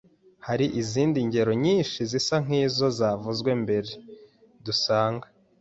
Hari izindi ngero nyinshi zisa nk’izo zavuzwe mbere dusanga